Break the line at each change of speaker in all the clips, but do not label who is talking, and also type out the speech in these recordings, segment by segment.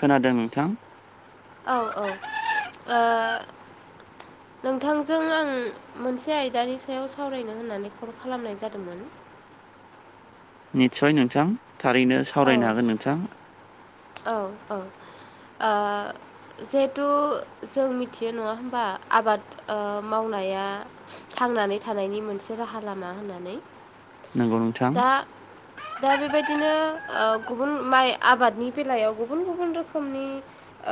खोनादों नोंथां
औ औ ओ नोंथांजों आं मोनसे आयदानि सायाव सावरायनो होननानै कल खालामनाय जादोंमोन
निस्सय नोंथां थारैनो
औ
सावरायनो हागोन नोंथां
औ औ ओ जिहेथु जों मिथियो नङा होमबा आबाद ओ मावनाया थांनानै थानायनि मोनसे राहा लामा होननानै
नंगौ नोंथां
दा दा बेबायदिनो ओ गुबुन माइ आबादनि बेलायाव गुबुन गुबुन रोखोमनि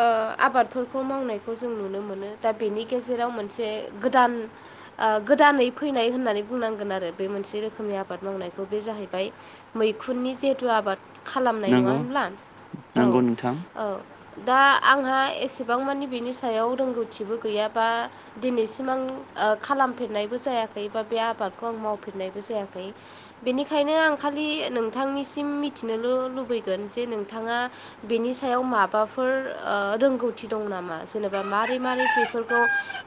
ओ आबादफोरखौ मावनायखौ जों नुनो मोनो दा बेनि गेजेराव मोनसे गोदान ओ गोदानै फैनाय होननानै बुंनांगोन आरो बे मोनसे रोखोमनि आबाद मावनायखौ बे जाहैबाय मैखुननि जिहेथु आबाद खालामनाय नङा
नंगौ
होनब्ला औ
नंगौ नोंथां
औ दा आंहा एसेबां मानि बिनि सायाव रोंगौथिबो गैयाबा दिनैसिम आं ओ खालामफेरनायबो जायाखै बा बे आबादखौ आं मावफेरनायबो जायाखै बेनिखायनो आं खालि नोंथांनिसिम मिथिनोल लुबैगोन जे नोंथाङा बेनि सायाव माबाफोर ओ रोंगौथि दं नामा जेनोबा मारै मारै बेफोरखौ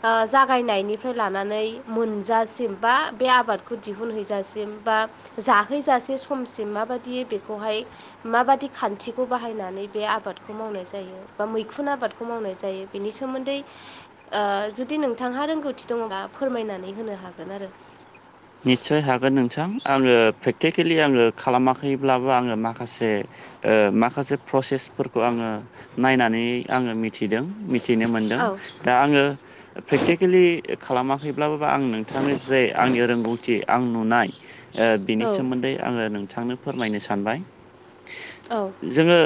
ओ जागायनायनिफ्राय लानानै मोनजासिम बा बे आबादखौ दिहुनहैजासिम बा। जाहैजासे समसिम माबायदि बेखौहाय। माबादि खान्थिखौ बाहायनानै बे आबादखौ मावनाय जायो। बा मैखुन आबादखौ मावनाय जायो बेनि सोमोन्दै। ओ जुदि नोंथांहा रोंगौथि दङोब्ला फोरमायनानै होनो हागोन आरो।
निसय हागोन नोंथां आङो प्रेक्टिकेलि आङो खालामाखैब्लाबो आङो माखासे। ओ माखासे प्रसेसफोरखौ आङो नायनानै आङो थिदों मिथिनो मोनदों।
औ
दा आङो प्रेक्टिकेलि खालामाखैब्लाबो बा आं नोंथांनि जे आंनि [unintelligible] गौथि आं नुनाय ओ बिनि
औ
सोमोन्दै आङो नोंथांनो फोरमायनो सानबाय।
औ
जोङो।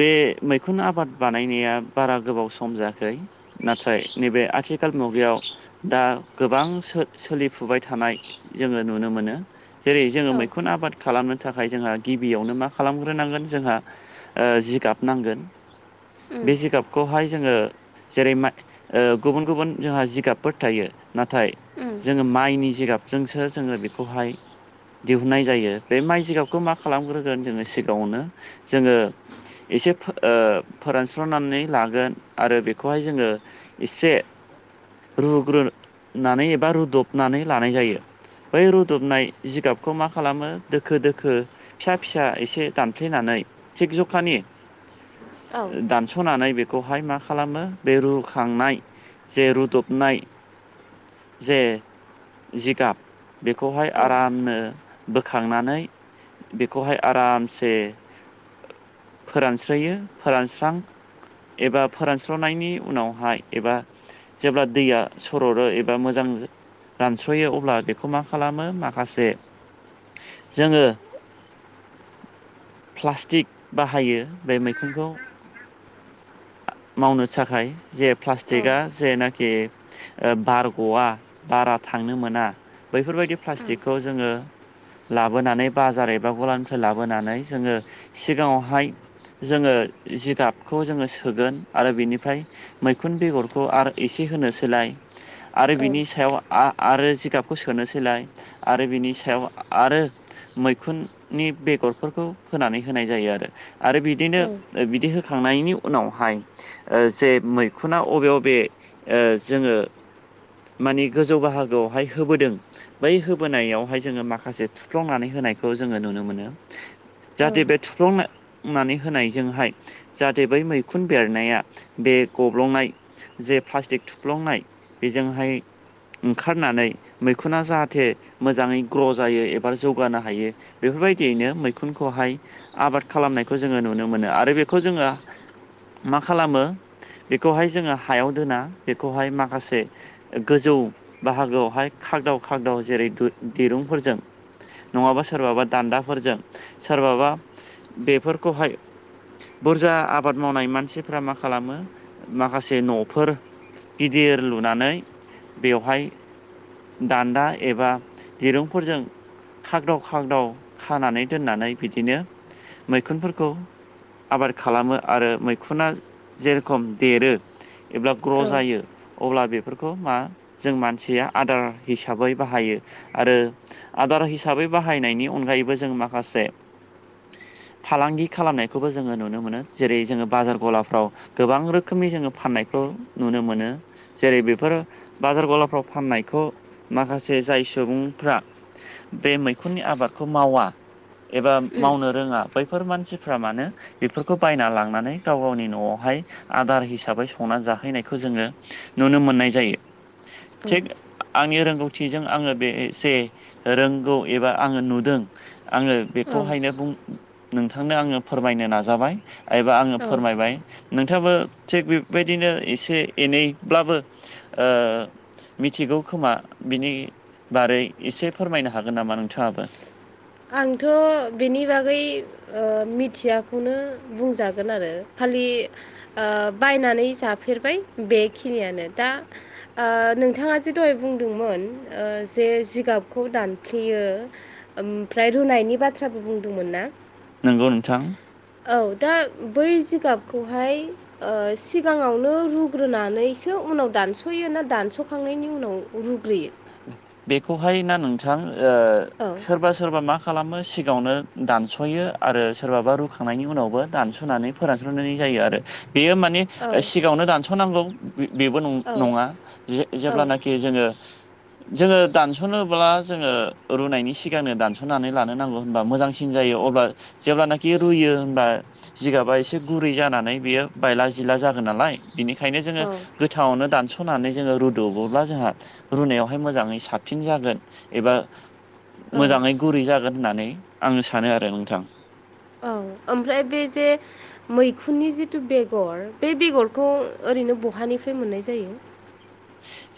बे मैखुन आबाद बानायनाया बारा गोबाव सम जायाखै। नाथाय नैबे आथिखाल मुगायाव दा गोबां सो-सोलिफुबाय थानाय। जोङो नुनो मोनो। जेरै जोङो
औ
मैखुन आबाद खालामनो थाखाय जोंहा गिबियावनो मा खालामग्रोनांगोन जोंहा। ओ जिगाब नांगोन
उम
बे जिगाब। खौहाय जोङो जेरै माइ ओ गुबुन गुबुन जोंहा जिगाबफोर थायो नाथाय।
उम
जोङो माइनि जिगाबजोंसो जोङो बेखौहाय। दिहुननाय जायो बे माइ जिगाबखौ मा खालामग्रोगोन जोङो सिगाङावनो जोङो। एसे फोर ओ फोरानस्र'नानै लागोन आरो बेखौहाय जोङो एसे रुग्रोनानै एबा रुदबनानै लानाय जायो। बै रुदबनाय जिगाबखौ मा खालामो दोखो दोखो। फिसा फिसा एसे दानफ्लेनानै थिक जखानि
औ
[unintelligible] सनानै बेखौहाय मा खालामो बे रुखांनाय जे रुदबनाय। जे जिगाब बेखौहाय
औ
आरामनो। बोखांनानै बेखौहाय आरामसे। फोरानस्रोयो फोरानस्रां एबा फोरानस्र'नायनि उनावहाय एबा। जेब्ला दैया सररो एबा मोजां। रानस्र'यो अब्ला बेखौ मा खालामो माखासे। जोङो [unintelligible] टिक बाहायो बे मैखुनखौ मावनो थाखाय जे। [inaudible]
औ
प्लास्टिकआ जेनाकि। ओ बार गआ बारा थांनो मोना बैफोरबायदि प्लास्टिकखौ जोङो। लाबोनानै बाजार एबा गलानिफ्राय लाबोनानै जोङो सिगाङावहाय। जोङो जिगाबखौ जोङो सोगोन आरो बिनिफ्राय। मैखुन बेगरखौ आर एसे होनो सोलाय। आरो बिनि सायाव आ-आरो जिगाबखौ सोनोसैलाय। आरो बिनि सायाव आरो मैखुननि बेगरफोरखौ फोनानै। होनाय जायो आरो आरो बिदिनो
औ
बिदि होखांनायनि उनावहाय। ओ जे मैखुना अबे बबे ओ जोङो। माने गोजौ बाहागोआवहाय होबोदों। बै होबोनायावहाय जोंङो माखासे थुफ्लंनानै होनायखौ जोंङो नुनो मोनो। जाहाथे बे थुफ्लं नानै होनाय जोंहाय जाहाथे बै मैखुन बेरनाया बे गब्लंनाय जे प्लास्टिक थुफ्लंनाय बेजोंहाय ओंखारनानै मैखुना जाहाथे मोजांङै ग्र' जायो एबा जौगानो हायो। बेफोरबायदियैनो मैखुनखौहाय आबाद खालामनायखौ जोंङो नुनो मोनो आरो बेखौ जोंङो मा खालामो बेखौहाय जोंङो हायाव दोना बेखौहाय माखासे गोजौ बाहागोआवहाय खागदाव खागदाव जेरै दिरुंफोरजों नंङाबा सोरबाबा दान्दाफोरजों सोरबाबा बेफोरखौहाय बुरजा आबाद मावनाय मानसिफ्रा मा खालामो माखासे न'फोर गिदिर लुनानै बेवहाय दान्दा एबा दिरुंफोरजों खागदाव खागदाव खानानै दोननानै बिदिनो मैखुनफोरखौ आबार खालामो आरो मैखुना जेरखम देरो एबा ग्र' जायो अब्ला बेफोरखौ मा जों मानसिया आदार हिसाबै बाहायो आरो आदार हिसाबै बाहायनायनि अनगायैबो जों माखासे फालांगि खालामनायखौबो जोंङो नुनो मोनो जेरै जोङो बाजार गलाफ्राव गोबां रोखोमनि जोङो फाननायखौ नुनो मोनो जेरै बेफोर बाजार गलाफ्राव फाननायखौ माखासे जाय सुबुंफ्रा बे मैखुननि आबादखौ मावा एबा मावनो रोङा बै बैफोर मानसिफ्रा मानो बेफोरखौ बायना लांनानै गाव गावनि न'आवहाय आदार हिसाबै संनानै जाहैनायखौ जोङो नुनो मोननाय जायो थिग आंनि रोंगौथिजों आङो बे एसे रोंगौ एबा आङो नुदों आङो
औ
बेखौ खौहायनो बुं नोंथांनो आङो फोरमायनो नाजाबाय एबा आङो
औ
फोरमायबाय नोंथाङाबो थिग बेफोरबायदिनो एसे एनैब्लाबो ओ मिथिगौखोमा बिनि बारै एसे फोरमायनो हागोन नामा नोंथाङाबो
आंथ' बेनि बागै मिथियाखौनो बुंजागोन आरो खालि बायनानै जाफेरबाय बेखिनियानो दा नोंथाङा जे दहाय बुंदोंमोन जे जिगाबखौ दानफ्लेयो ओमफ्राय रुनायनि बाथ्राबो बुंदोंमोन ना
नोंगौ नोंथां
औ दा बै जिगाबखौहाय सिगाङावनो रुग्रोनानैसो उनाव दानस'यो ना दानस'खांनायनि उनाव रुग्रोयो
बेखौहाय ना नोंथां ओ
औ
सोरबा सोरबा मा खाला खालामो सिगाङावनो दानस'यो आरो सोरबाबा रुखांनायनि उनावबो दानस'नानै फोरानस्र'नायजों जायो आरो बेयो माने
औ
सिगाङावनो दानस'नांगौ बेबो
औ
नङा
औ
जेब्लानाखि जोङो जोङो दानस'नोब्ला जोङो रुनायनि सिगांनो दानस'नानै लानो नांगौ होनबा मोजांसि न जायो अब्ला जेब्लानाखि रुयो होनबा जिगाबा एसे गुरै जानानै बियो बायला जिला जागोन नालाय बिनिखायनो जोङो
औ
गोथांयावनो दानस'नानै जोङो रुद'बोब्ला जोंहा रुनायाव बेहाय मोजाङै साबसिन जागोन एबा
औ
मोजाङै गुरै जागोन होननानै आं सानो आरो नोंथां
औ ओमफ्राय बे जे मैखुननि जिथु बेगर बे बेगरखौ ओरैनो बहानिफ्राय मोननाय जायो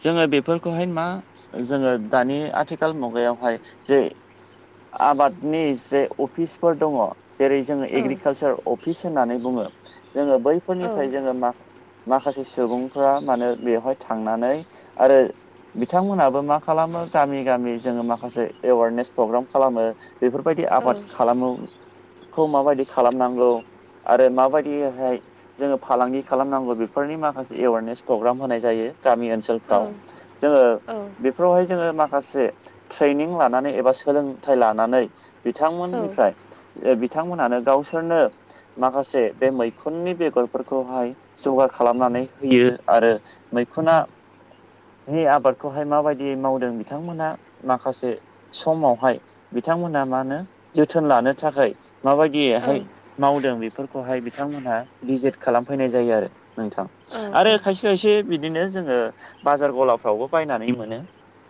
जोङो बेफोरखौहाय मा जोङो दानि आथिखाल मुगायावहाय जे आबादनि जे अफिसफोर दङ जेरै जोङो
औ
एग्रिकालसार अफिस होननानै बुङो जोङो
औ
बैफोरनिफ्राय जोङो माखा माखासे सुबुंफ्रा मानोे बेवहाय थांनानै आरो बिथांमोनाबो मा खालामो गामि गामि जोङो माखासे एवारनेस प्रग्राम खालामो बेफोरबायदि आबाद
औ
खालामोखौ माबायदि खालामनांगौ आरो माबायदियैहाय जोङो फालांगि खालामनांगौ बेफोरनि माखासे एवारनेस प्रग्राम होनाय जायो गामि
औ
ओनसोलफ्राव जोङो
औ
बेफोरावहाय जोङो माखासे ट्रेनिं लानानै एबा सोलोंथाइ लानानै
औ
बिथांमोननिफ्राय बिथांमोनानो गावसोरनो माखासे बे मैखुननि बेगरफोरखौहाय जगार खालामनानै होफैयो आरो मैखुना नि आबादखौहाय माबायदि मावदों बिथांमोना माखासे समावहाय बिथांमोना मा होनो जोथोन लानो थाखाय माबायदि जिहाय मावदों बेफोरखौहाय बिथांमोनहा गिजिट खालामफैनाय जायो आरो नोंथां आरो
औ
खायसे खायसे बिदिनो जोङो बाजार गलाफ्रावबो बायनानै मोनो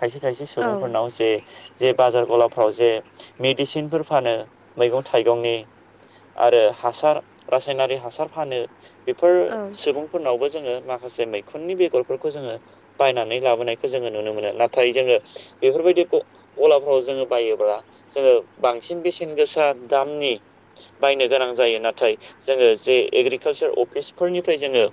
खायसे खायसे
औ
सुबुंफोरनाव जे जे बाजार गलाफ्राव जे मेडिसिनफोर फानो मैगं थाइगंनि आरो हासार रासायनारि हासार फानो बेफोर
औ
सुबुंफोरनावबो जोङो माखासे मैखुननि बेगरफोरखौ जोङो बायनानै लाबोनायखौ जोङो नुनो मोनो नाथाय जोङो बेफोरबायदि गलाफ्राव जोङो बायोब्ला जोङो बांसिन बेसेन गोसा दामनि बायनो गोनां जायो नाथाय जोङो जे एग्रिकालसार अफिसफोरनिफ्राय जोङो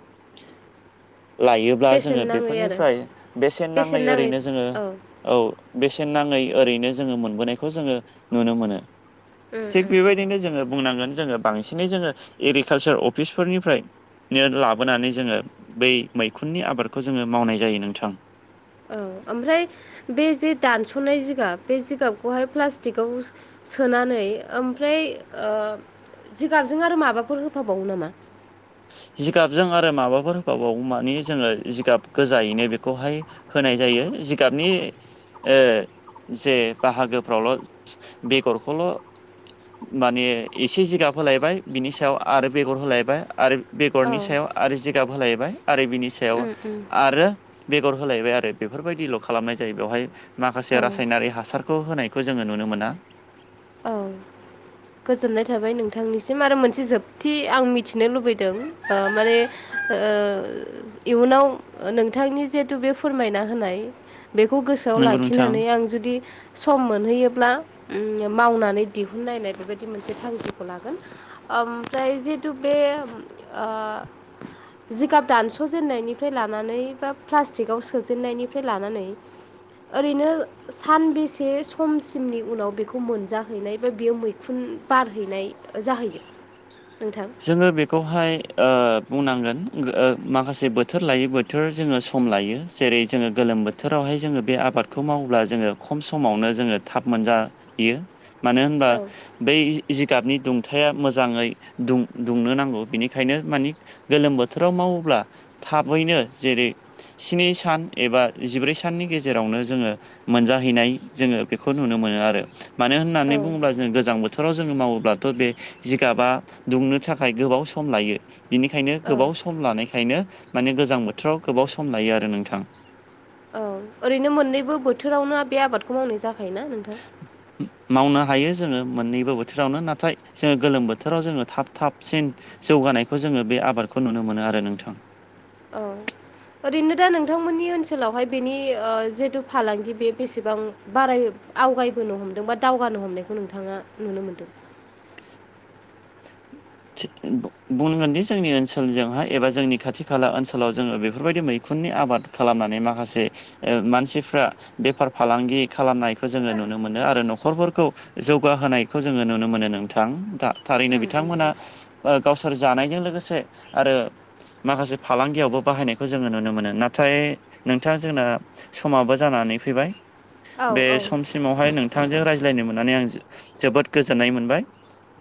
लायोब्ला
बेसेन
जोङो
नाङै आरो
बेफोरनिफ्राय बेसेन नाङै ओरैनो जोङो औ बेसेन नाङै ओरैनो जोङो मोनबोनायखौ जोङो नुनो मोनो थिग बेबायदिनो जोङो बुंनांगोन जोङो बांसिनै जोङो एग्रिकालसार अफिसफोरनिफ्रायनो लाबोनानै जोङो बै मैखुन फुननि आबादखौ जोङो मावनाय जायो नोंथां
औ ओमफ्राय बे जे दानस'नाय जिगाब बे जिगाबखौहाय प्लास्टिकआव सोनानै ओमफ्राय जिगाबजों आरो माबाफोर होफाबावो नामा
जिगाबजों आरो माबाफोर होबावावो माने जोङो जिगाब गोजायैनो बेखौहाय होनाय जायो जिगाबनि जे बाहागोफ्रावल' बेगरखौल' माने एसे जिगाब होलायबाय बिनि सायाव आरो बेगर होलायबाय आरो
औ
बेगरनि सायाव आरो जिगाब होलायबाय आरो बिनि सायाव आरो बेगर होलायबाय आरो बेफोरबायदिल' खालामनाय जायो बेवहाय माखासे
औ
रासायनारि हासारखौ होनायखौ जोङो नुनो मोना
औ गोजोननाय थाबाय नोंथांनिसिम आरो मोनसे जोबथि आं मिथिनो लुबैदों माने ओ इयुनाव नोंथांनि जिहेथु बे फोरमायना होनाय बेखौ गोसोआव
नंगौ नोंथां
लाखिनानै आं जुदि सम मोनहैयोब्ला मावनानै दिहुनलनाय बेबायदि मोनसे थांखिखौ लागोन ओमफ्राय जिहेथु बे जिगाब दानस'जेननायनिफ्राय लानानै बा प्लास्टिकआव सोजेननायनिफ्राय लानानै ओरैनो सानबेसे समसिमनि उनाव बेखौ मोनजाहैनाय बा बेयो मैख खुन बारहैनाय जाहैयो नोंथां
जोङो बेखौहाय बुंनांगोन माखासे बोथोर लायै [unintelligible] बोथोर जोङो सम लायो जेरै जोङो गोलोम बोथोरावहाय जोङो बे आबादखौ माव्ला जोङो खम समावनो जोङो थाब मोनजा हयो मानो होनबा
औ
बै जिगाबनि दुंथाया मोजाङै दुं दुंनो नांगौ बिनिखायनो मानि गोलोम बोथोराव मावोब्ला थाबैनो जेरै स्नि सान एबा जिब्रै साननि गेजेरावनो जोङो मोनजाहैनाय जोङो बेखौ नुनो मोनो आरो मानो होननानै
औ
बुङोब्ला जों गोजां बोथोराव जोङो मावोब्लाथ' बे जिगाबा दुंनो थाखाय गोबाव सम लायो बिनिखायनो
औ
गोबाव सम लानायखायनो माने गोजां बोथोराव गोबाव सम लायो आरो नोंथां
औ ओरैनो मोननैबो बोथोरावनो बे आबादखौ मावनाय जाखायोना नोंथां
मावनो हायो जोङो मोननैबो बोथोरावनो नाथाय जोङो गोलोम बोथोराव जोङो थाब थाबसिन जौगानायखौ जोङो बे आबादखौ नुनो मोनो आरो नोंथां
औ ओरैनो दा नोंथांमोननि ओनसोलावहाय बेनि जिहेथु फालांगि बे बेसेबां बाराय आवगायबोनो हमदों बा दावगानो हमनायखौ नोंथाङा नुनो मोनदों।
बुंगोनदि जोंनि ओनसोलजोंहाय एबा जोंनि खाथि खाला ओनसोलाव जोङो बेफोरबायदि मैखुननि आबाद खालामनानै माखासे ओ मानसिफ्रा बेफार फालांगि खालामनायखौ जोङो नुनो मोनो आरो न'खरफोरखौ जौगाहोनायखौ जोङो नुनो मोनो नोंथां दा थारैनो बिथांमोना ओ गावसोर जानायजों लोगोसे आरो माखासे फालांगियावबो बाहायनायखौ जोङो नुनो मोनो नाथाय नोंथां जोंना समाबो जानानै फैबाय
औ
बे
औ
समसिमावहाय नों थांजों रायज्लायनो मोननानै आं जोबोद गोजोननाय मोनबाय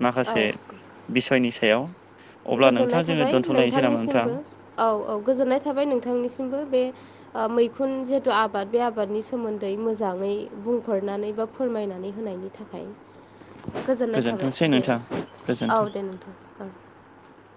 माखासे
औ
बिसयनि सायाव अब्ला
गोजोननाय
नोंथां जोङो
थाबाय
दोनथ'लायनोसै नामा
नोंथांनिसिमबो
नोंथां?
औ औ गोजोननाय थाबाय नोंथांनिसिमबो बे ओ मैखुन जिहेथु आबाद बे आबादनि सोमोन्दै मोजाङै बुंफोरनानै बा फोरमायनानै होनायनि थाखाय गोजोननाय थाबाय
गोजोनथोंसै
दे
नोंथां गोजोन्थों
औ दे नोंथां औ।